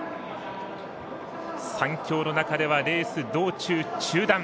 ３強の中ではレース道中中団。